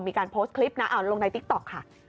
มีการโพสต์คลิปนะลงในติ๊กต๊อกค่ะ